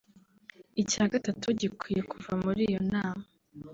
Icya gatatu gikwiye kuva muri iyo nama